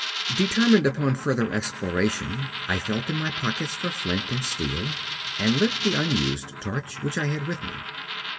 Determined upon further exploration, I felt in my pockets for flint and steel, and lit the unused torch which I had with me.